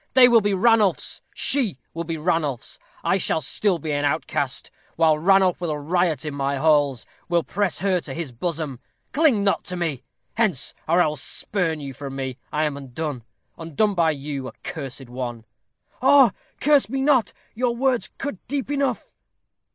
They will be Ranulph's. She will be Ranulph's. I shall still be an outcast, while Ranulph will riot in my halls will press her to his bosom. Cling not to me. Hence! or I will spurn you from me. I am undone, undone by you, accursed one." "Oh, curse me not! your words cut deep enough."